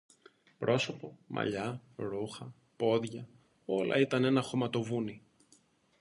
Πρόσωπο, μαλλιά, ρούχα, πόδια, όλα ήταν ένα χωματοβούνι